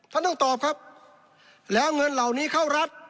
ท่านต้องตอบครับแล้วเงินเหล่านี้เข้ารัฐ